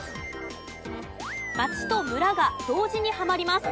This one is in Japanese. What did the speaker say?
町と村が同時にはまります。